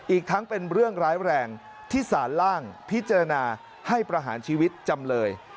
อีกทั้งเป็นเรื่องร้ายแรงที่สารล่างพิจารณาให้ประหารชีวิตจำเลย